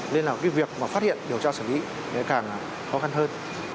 nên là cái việc mà phát hiện điều tra xử lý ngày càng khó khăn hơn